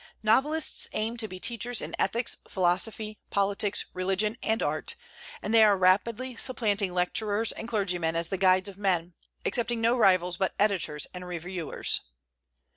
Novelists aim to be teachers in ethics, philosophy, politics, religion, and art; and they are rapidly supplanting lecturers and clergymen as the guides of men, accepting no rivals but editors and reviewers.